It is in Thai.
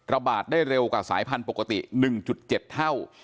ระบาดได้เร็วกว่าสายพันธุ์ปกติ๑๗เท่า